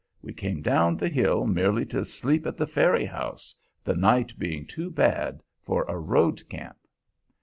We came down the hill merely to sleep at the ferry house, the night being too bad for a road camp.